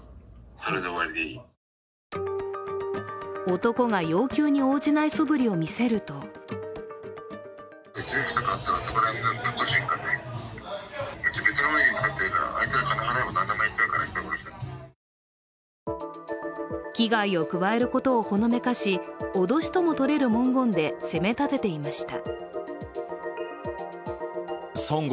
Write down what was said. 男が要求に応じないそぶりを見せると危害を加えることをほのめかし脅しともとれる文言で責めたてていました。